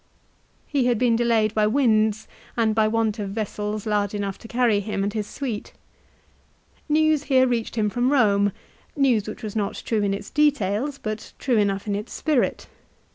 He had been delayed by winds and by want of vessels large enough to carry him and his suite. News here reached him from Eome, news which was not true in its details, but true enough in its spirit.